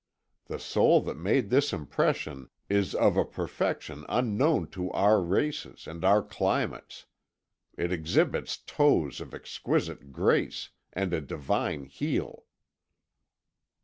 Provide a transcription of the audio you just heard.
The sole that made this impression is of a perfection unknown to our races and our climates. It exhibits toes of exquisite grace, and a divine heel."